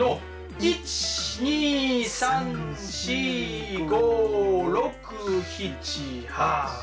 １２３４５６７８。